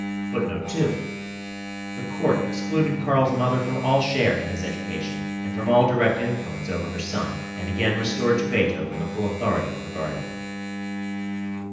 ] [Footnote 2: The Court excluded Carl's mother from all share in his education, and from all direct influence over her son, and again restored to Beethoven the full authority of a guardian.